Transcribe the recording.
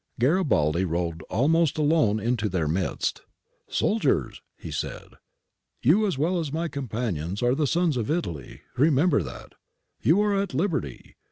Garibaldi rode almost alone into their midst. * Soldiers,' he said, ' you as well as my companions are the sons of Italy ; remember that. You are at liberty.